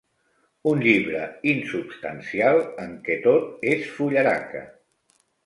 Un llibre insubstancial, en què tot és fullaraca.